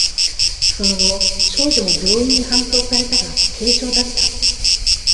その後、少女も病院に搬送されたが、軽傷だった。